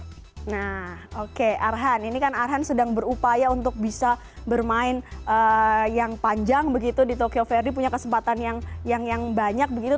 nah oke arhan ini kan arhan sedang berupaya untuk bisa bermain yang panjang begitu di tokyo verde punya kesempatan yang banyak begitu